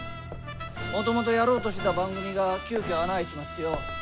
もともとやろうとしてた番組が急きょ穴開いちまってよ。